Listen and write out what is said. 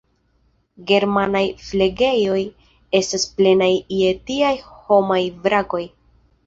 Germanaj flegejoj estas plenaj je tiaj homaj vrakoj.